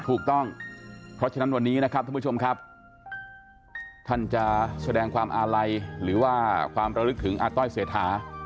ถูกต้องเพราะฉะนั้นวันนี้นะครับท่านผู้ชมครับท่านจะแสดงความอาลัยหรือว่าความระลึกถึงอาต้อยเศรษฐา